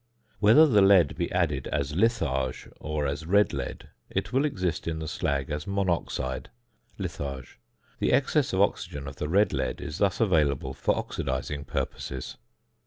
Whether the lead be added as litharge or as red lead, it will exist in the slag as monoxide (litharge); the excess of oxygen of the red lead is thus available for oxidising purposes.